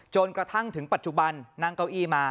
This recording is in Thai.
จนกระทั่งถึงปัจจุบันนั่งเก้าอี้มา